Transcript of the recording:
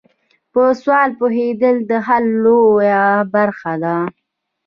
په سوال پوهیدل د حل لویه برخه ده.